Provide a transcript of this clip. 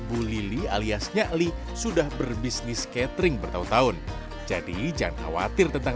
bu lili alias nyakli sudah berbisnis catering bertahun tahun jadi jangan khawatir tentang